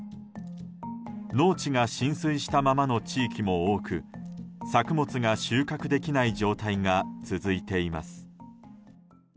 農地が浸水したままの地域も多く作物が収穫できない状態が続いています。